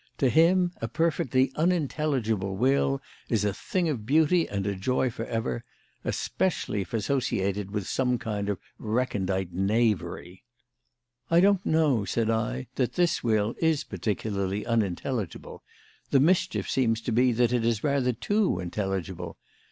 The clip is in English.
To him, a perfectly unintelligible will is a thing of beauty and a joy for ever; especially if associated with some kind of recondite knavery." "I don't know," said I, "that this will is particularly unintelligible. The mischief seems to be that it is rather too intelligible.